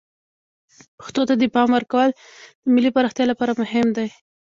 پښتو ته د پام ورکول د ملی پراختیا لپاره مهم دی.